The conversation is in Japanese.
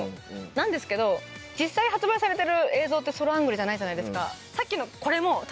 なんですけど実際発売されてる映像ってソロアングルじゃないじゃないですか。